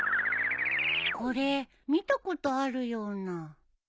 これ見たことあるような。